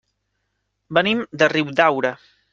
Venim de Riudaura.